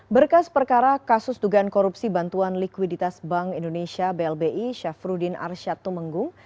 berkas perkara kasus dugaan korupsi bantuan likuiditas bank indonesia blbi syafruddin arsyad tumenggung